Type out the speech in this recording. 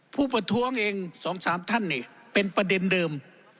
ผู้ประท้วงเองสองสามท่านเนี่ยเป็นประเด็นเดิม